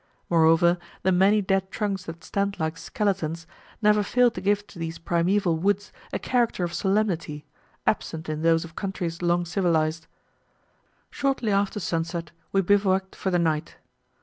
Moreover, the many dead trunks that stand like skeletons, never fail to give to these primeval woods a character of solemnity, absent in those of countries long civilized. Shortly after sunset we bivouacked for the night.